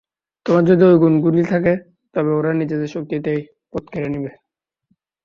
তোমাদের যদি ঐ গুণগুলি থাকে, তবে ওরা নিজেদের শক্তিতেই পথ করে নেবে।